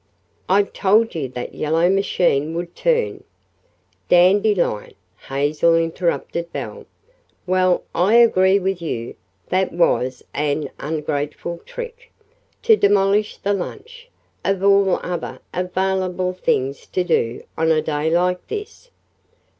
"I told you that the yellow machine would turn " "Dandelion," Hazel interrupted Belle. "Well, I agree with you that was an ungrateful trick. To demolish the lunch, of all other available things to do, on a day like this!"